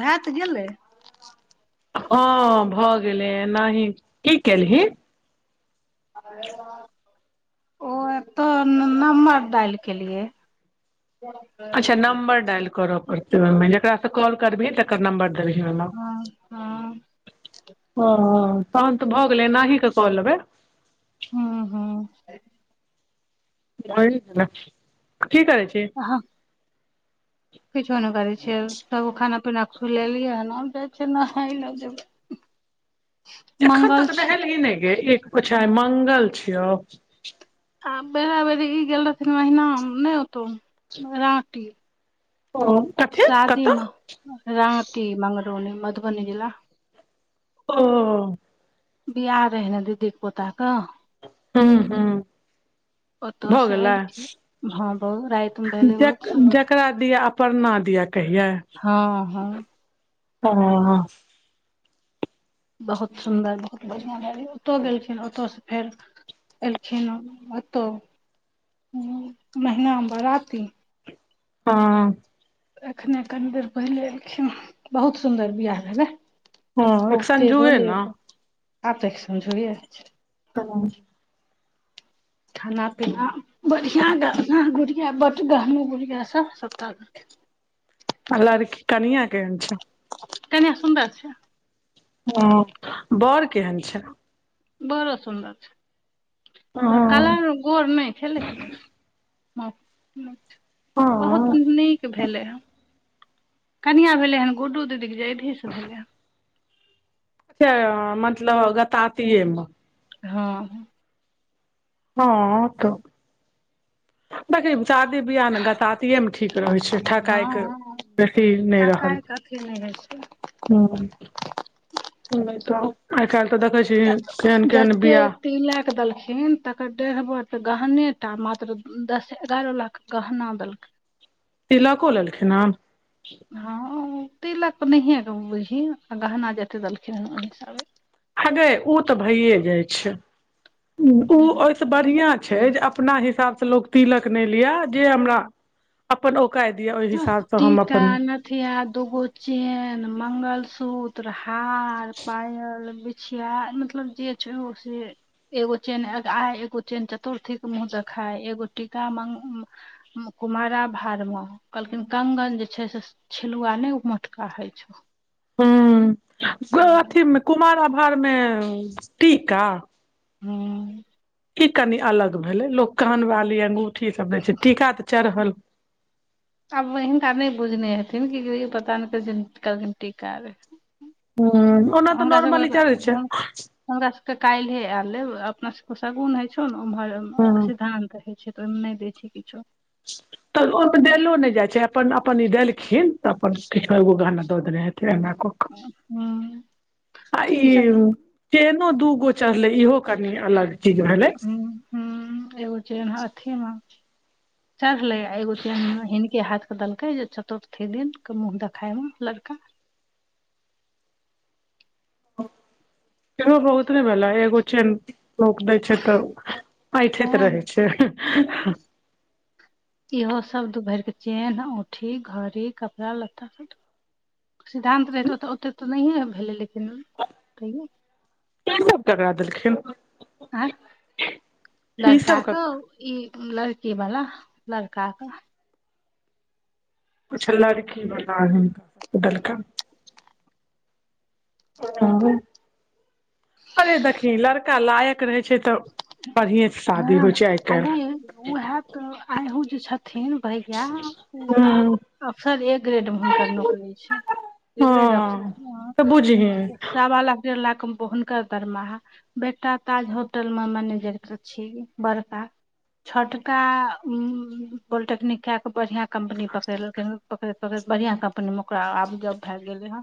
भात गेलै अँ भ गेलै एनाही की केलही ओ एत नंम्बर डायल केलियए अच्छा नंबर डायल करऽ पड़ते ओहिमे जेकास से कॉल करबिही तकर नंबर वि हँ हँ [inaudible] ओ तहन तऽ भऽ गेलै एनाहि कऽ कह लेबै हँ हँ [unintelligible] की करै छी अहाँ किछो नहि करै छियै तब खाना पीना खुलेलियै हेना जाइ छियै नहाइ ला जेबै ह [inaudible] एखन तक नहेली ही नहि गे एक ओछाइ मंगल छियौ आ बेरा बेरी ई गेल रहथिन महिना नहि ओतौ राँटी ऊँ कथे। शादीमे राटी मंगरौनी मधुबनी जिला। ओ बियाह रहै नऽ दीदीे पोता कऽ आहाँ ओतऽ भ से गेलै एलखिन हँ बहुत राति मे भेलै बहुत जक सुन्दर जकरा दिआ परना दिया कहिया आहाँ अह बहुत सुन्दर बढ़िआँ भेलै ओतह गेलखिन ओतसँ फेर एलखिन ओतहु महनाम बराती अ एखने कनि देर पहिले एलखिन बहुत सुन्दर बियाह भेलै। हँ एक खूब ते संजुए ने बोलेब आब तेक समझबिए ह [unintelligible] खाना-पीना बढ़िया गाना गुड़िया ब गहनो गुड़िया सभ सबटा [unintelligible] आ लड़की कनिया केहन छै कन्या सुंदर छै ह बोड़ केहन छै बड़ो सुन्दर छै त हँ कलर गोर नहि छै लेकिन टिक ह ह बहुत हँ नहि के [unintelligible] भेलै कनिया भेलै हन गुड्डू दीदी के जेधी स भेलै हन छै मतलब गतातिए म धा हँ त देखी शादी बियाह मे गतातिये मे ठीक रहै छै ठकाायके बेसी नहि रहल के ल छै [inaudible] हू आइ काल्हि तऽ देखै छी केहन केहन बियाह तिनलाख देलखिन तकर डेहर त गहनेटा मात्र दस एगारह लाख गहना देलखिन तिलको लेलखिन हँ हँ तिलक नहिए बुझही आ गहना जतेक देलखिन हन ओहि हिसाबे हेगय ओ त भइए जाइ छै ओ ओ बढ़िआँ छै जे अपना हिसाबसँ लोक तिलक नहि लिया जे हमरा अपन ओऔकाय दिअ ओहि हिसाबसँ हम अपन बिछिया दूगो चेन मंगलसूत्र हार पायल छिया मतलब जे छै ओ से एगो चेन एगाय एगो चेन चतुर्थी के मुह देखाय एगो टीका मंग कुमारा भार मऽ कहलखिन कंगन जे छै से छिलुआ नहि उमोटका होइ छौ हूँ से अथीमे कुमार आभार मऽ टीका हँ ई कनि अलग भेले लोग कान बाली अंगूठी सब दे छै टीका तऽ चढ़ल आब हिनका नहि बुझने हेथिन क पता नहि क कहलखिन टीका रे ह ओना तऽ नॉर्मली चलै छै हमर सभके काल्हिे आयल लेब अपना सभके शगुन होइ छौ ने ओम्हर हूँ सिद्धान्त होइ छै त ओमय नहि दे छि किछो [inaudible] तऽ ओमे देलो नहि जाइ छै अपन अपन ई देलखिन तऽ अपन कि एगो गहाना दऽ देने हेथिे एना को आ ई केहनो दूगो चढ़ले इहो कनी अलग चीज भेलै ह ह ए छै हथीमे चढ़ले आ एगो चेन हिनके हाथ के देलकै जे चतुर्थी दनक के मुह देखााय मे लड़का बहुत नहि भेला एगो छै रप दै छै तऽ ऐठैत वएह रहै छै इहो सब दुपर के चेन्नह औठी घड़ी कपड़ा लत्ता सिद्धानं्त रहितौ तऽ ओतेक तऽ नहिए भेलै लेकिन तहियो केशव करवा देलखिन आँ ई सब लड़का क ई लड़की बला लड़काक अच्छा लड़की बला हुनका देलखन अरे देखी लड़का लायक रहै छै तऽ बढ़ए हँ आगे उह त आू जे छथिन भैया हँ अफसर एक ग्रेड मे हुनकर नौकरी छै ड्न हँ तऽ बुझही सवा लाख डेढ़ लाख मे हुनकर दरमाहा बेटा ताज होटल में मैनेजर छै बड़का छोटका उ पॉलटेक्निक क के बढ़िया कम्पनी पकड़लखिन पकड़ैत पकड़ैत बढ़िआँ कम्पनीमे ओकरा आब जॉब भए गेलै हँ ले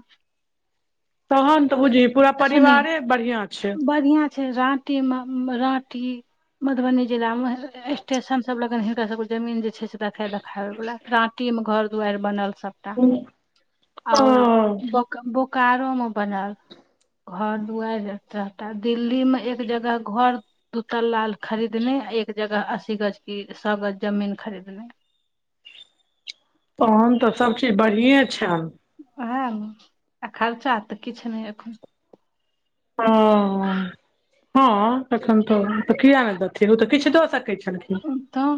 तहन तऽ बुझिय पूरा सुनी परिवारे बढ़ियां छै बढ़िया राँटी मे राँटी मधुबनी जिला मे स्टेशन सब लगन हिनक सब जमीन जे छै से देखे देखाबे वालला राँटी में घर दुआार बनल सब ओ आओर तहन बोकारोमे बनल घर दुआरि दिल्ली में एक जगह घर दूतला खरीदने एक जगह अस्सी गज की सौ गज जमीन खरीदने तहन तऽ सब चीज बढ़िए छनि उएह ने आ खर्चा तऽ किछु नहि एखन ह हँ तखन तऽ तऽ किया ने देथिन ओ तऽ किछु दऽ सकैत छलखिन तऽ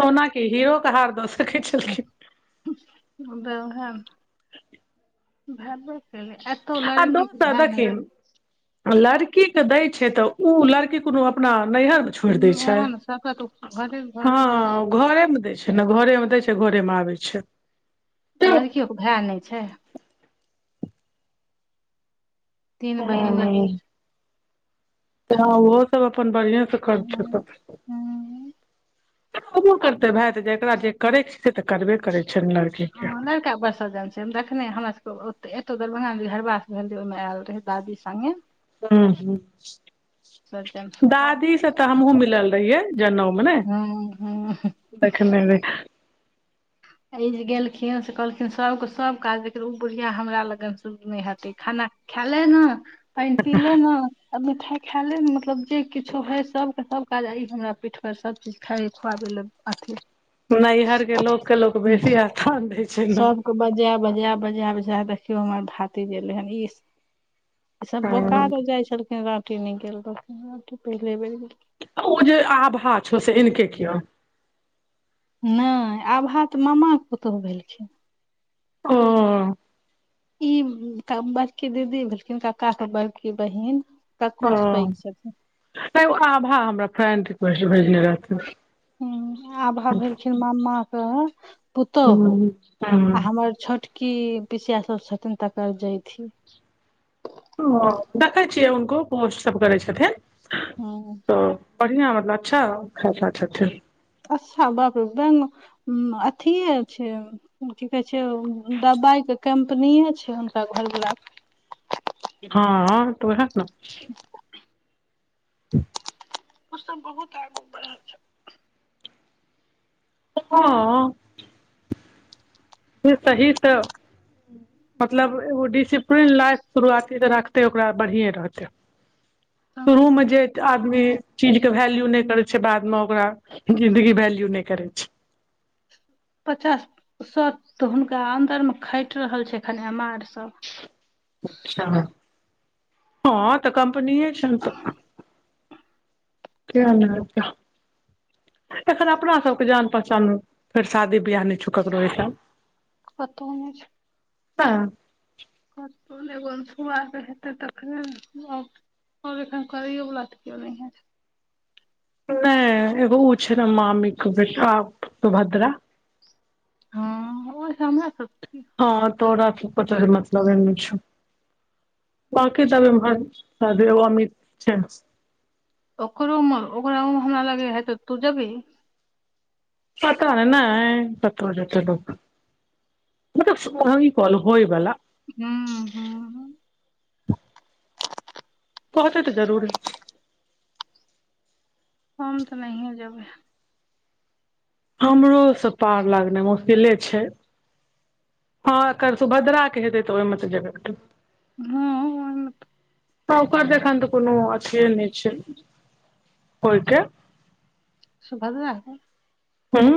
सोना के हीरोके हार दऽ सके छलखिन बै ओहेमे भेबै कयले एतौ आ लड़कीके दोसर भाए नै देखिन छै लड़की के दै छै तऽ ओ लड़की कोनो अपना नहियर छोड़ दै ह छै ओएह ने सबके तऽ घरे घरे जाइ छै हँ घरे मे दै छै ने घरे मे दै छै घरे मे आबै छै आ हँ लड़कियो के भाय नहि छै तीन बहिने तऽ ओहो सब अपन बढ़िएं सऽ करतै हम्म, हम्म, तऽ बो करतै भाय तऽ जकरा जे करै छ से तऽ करबे करै छै ने लड़क ह लड़का पसंद आब छै से देखखने हमरा सभके ओ एतौ दरभंगा जे खरबास भेलै ओहिमे आयल रहै दादी सनगे ह ह सज्जन सुपा दादी से तऽ हमहुँ मिलल रहिये जनउ मने हँ हँ देखनेै एहि जे गेलखिन से कहलखिन सभके सभ काज देखिन ओ बुधिया हमरा लगन श नहि हेतै खाना खाले ना पइन पि ले ना आ मिठाइ खाय ले ने मतलब जे किछो हय सबके सब काज आइ हमरा पीठ पर सब चीज खाइ खुआबे ल अथी न हिइहर के लोक के लोक बेसी स्थान दै छै ने बजाय बजाय बजा बजाय देखियौ हमर भातिज एले हन ई ई सब हँ बोकारो जाय छलखिन रोटी निकल रहखिन रोटी पहिले बेर गेलिन ओ जे आभा छ हो से इनके क्यो नहि आभा के मामाके पुतोहु भेलखिन ओ ई बड़की दीदी भेलखिन कक्का के बड़की बहिन कक्कोसँ पैघ छथिन ओ आभा हमरा फ्रेंड रिकेस्ट भेजने रहथि ह आभा भेलखिन मामाे पुतोहु आ ह हमर छोटकी बिछिया सब छथिन तकर जेधि ह देखै छियै हुनको पोस्ट सब करै छथिन हु तऽ बढ़िआँ मतलब अच्छा खाससा छथिन अच्छा बाप रे बैंग अथिये छै की कहै छै दबबाइ के कम्पने छै हुनका घरवला हँ तऽ ओहे नऽ [inaudible] ओ सब बहुत आगू बढ़ल छै हँ [unintelligible] मतलब एगो डिसिप्लीन लाइफ शुरुआती जे रखते ओकरा बढ़िये रहते तऽ शुरूमे जे आदमी चीज के वैल्यू नहि करै छै बादमे ओकरा जिंन्दगी वैल्यू नहि करै छै पचास सए तऽ हुनका अन्दर मे खटि रहल छै एखन एम् आर सब हँ तऽ कम्पनी छै ने तऽ [unintelligible] एखन अपना सबके जान पहचान फेर शादी बिियाह नहि छुकल रहठाम पतो नहि छै हँ कतहु सुुआके हेतै तखने ओर ऐखैन करैयो वाला ल त कैयोने नहि एगो उ छै ने मामी के बेटा भद्रा हँ ओय सऽ हमरा सब हँ तो पत मतलब एमे छ बांकी तब अमहर शयद एगो अमीत छै ओकरो उमर ओकरा उ हमरा लगै हइ तऽ तू जबही पता नहि कतय जेत्ते लोक मतलब हम ई कहलू होयबला हू हू बहुते तऽ जरूरी हम त नहिये जेबे हमरो से पार लगनाइ मुश्किले छै हँ एकर सुभद्राक के हेतै तऽ ओहिमे तऽ जेबे करबाई हँ त ओकार देख त कोनो अथि नि छै कोइके सुभद्रा हेतय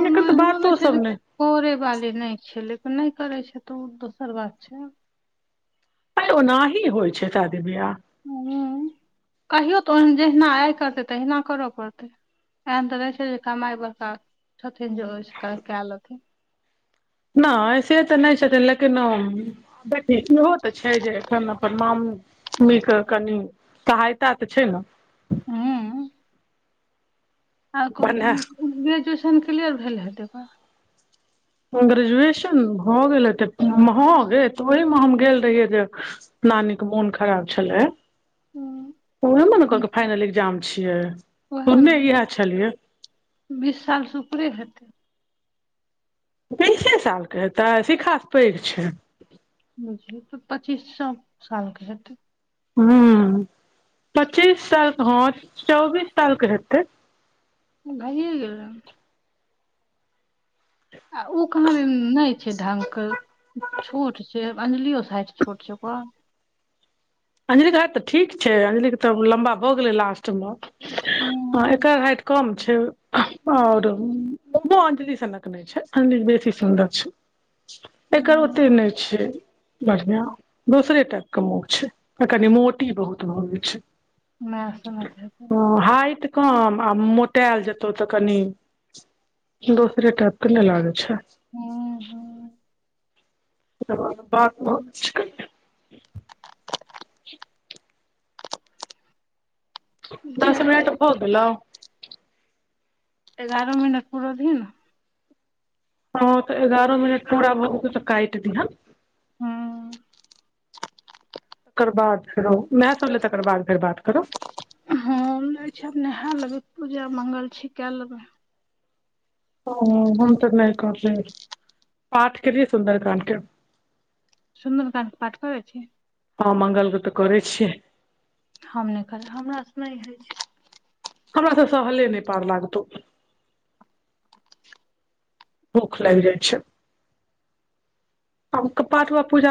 कोनो तऽ एहनो नहि बातो छै सब कोे वाली नहि छै लेकिन नहि करै छै तऽ ओ दोसर बात छै ओनाही होइ छै शादी बियाह ह कहियौ तऽ ओ जहिना आइ करतै तहिना करय पड़तै एहन तऽ रहै छै जे कमाइ बड़का छथिन जे ओहिसँ कए लेथिन न से तऽ नहि छथिन लेकिन हम देख इहो तऽ छै जे एखन अपन माम मम्मी के कनि सहायता तऽ छै ने हँ आ भने ग्रेजुएशन क्लियर भेल हेत ग्रेजुएशन हो गेलै तऽ हो ग तऽ ओहिमे हम गेल रहियै जे नानी क मोन खराब छलै ओहमे ने कहके फाइनल एकग्जाम छियै उएह सुनने ने इएह छलियै बीस सालसँ उपरे हेतै तीसे सालके हेतै सिखासँ पैघ छै बुझलिय त पच्चीस स सालके छथित ह पच्चीस सालके हँ चौबीस सालके हेतै भाइये गेले आ ओ कहाँ नहि छै ढंग कऽ छोट छै अंजलियो सऽ हाइट छोट सेबङ अंजलिके हाथ तऽ ठीक छै अंजलिके तऽ लम्बा भऽ गेलै लास्ट मे ह हूँ, एकर हाइट कम आओरो अंजलि सनक नहि छै अंजल बेसी सुन्दर छै एकर जाय ओते नहि छै बढ़िआँ दोसरे टाइपके मुह छै कनि मोटी बहुत भऽइ छै नहि सुन ह हाइट कम आ मोटायल जेतौ तऽ कनि दोसरे टाइप तऽ नहि लागै छै ह ह बात बहुत [unintelligible] दस मिनट दही हो गेलेल [unintelligible] एगारह मिनट पूरा दिही ने हँ त एगारह मिनट पूरा भ गेले त काट दीहन हँ तकर बाद फेरो माय सलै तकर बाद फेर बात करो हँ छै नहा लेबै पूजा मंगल छी कए लेबे ओ हम तऽ नहि कर पठ करियै सुन्दरकान के सुन्दरकांड पाठ करै छी हँ मंगल क त करै छियै हम नहि करब हमरा से नहि हइ छै हमरा सब सहले नहि पार लागतौ भूख लागि जाइ छै पाठ वा पूजा